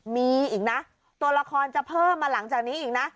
มีอีกนะตัวละครจะเพิ่มมาหลังจากนี้อีกนะ